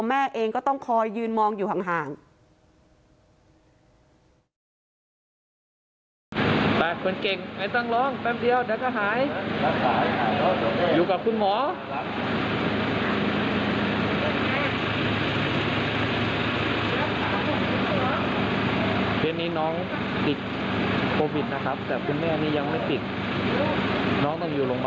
แม่เองก็ต้องคอยยืนมองอยู่ห่าง